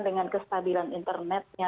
dengan kestabilan internetnya